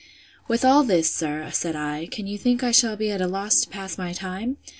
With all this, sir, said I, can you think I shall be at a loss to pass my time?